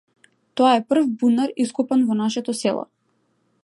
Тоа е прв бунар ископан во нашето село.